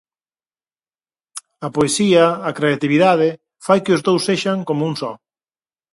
A poesía, a creatividade, fai que os dous sexan como un só.